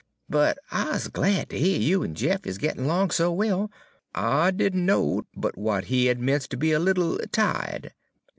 But I's glad ter heah you en Jeff is gittin' 'long so well. I did n' knowed but w'at he had 'mence' ter be a little ti'ed.'